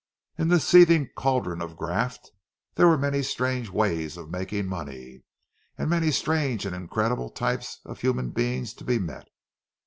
In this seething caldron of graft there were many strange ways of making money, and many strange and incredible types of human beings to be met.